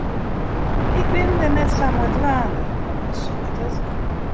Ik bin dêr net sa mei dwaande, mar men seit it.